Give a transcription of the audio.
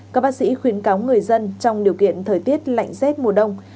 các bác sĩ khuyến cáo người dân trong điều kiện thời tiết lạnh rét mùa đông